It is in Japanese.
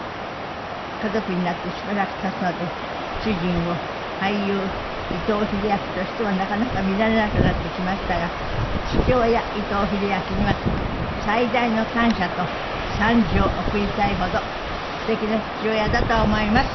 「家族になってしばらく経つので主人を俳優伊藤英明としてはなかなか見られなくなってきましたが父親伊藤英明には最大の感謝と賛辞を送りたいほどすてきな父親だと思います」